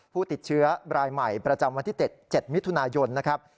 ผู้ติดเชื้อรายใหม่ประจำวันที่๗๗มิถุนายนนะครับ